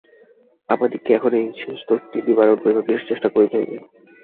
আমাদিগকে এখন এই শেষ দোষটি নিবারণ করিবার বিশেষ চেষ্টা করিতে হইবে।